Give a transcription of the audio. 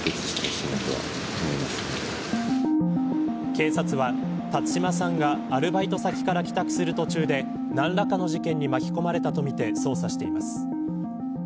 警察は辰島さんがアルバイト先から帰宅する途中で何らかの事件に巻き込まれたとみて、捜査しています。